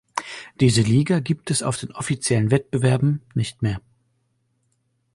Diese Liga gibt es auf den offiziellen Wettbewerben nicht mehr.